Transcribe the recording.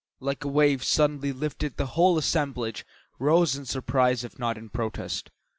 Like a wave suddenly lifted the whole assemblage rose in surprise if not in protest.